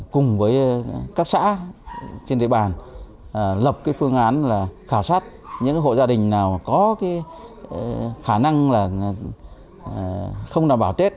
cùng với các xã trên địa bàn lập phương án là khảo sát những hộ gia đình nào có khả năng là không đảm bảo tết